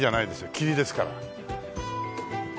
霧ですから。